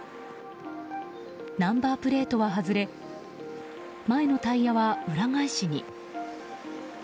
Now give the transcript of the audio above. ナンバープレートは外れ前のタイヤは裏返しに。